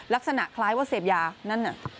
ลักษณะคล้ายว่าเสพยานั่นน่ะ